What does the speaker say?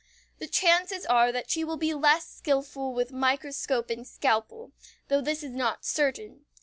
The chances are that she will be less skillful with microscope and scalpel, though this is not certain.